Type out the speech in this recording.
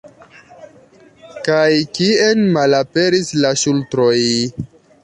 Kaj kien malaperis la ŝultroj?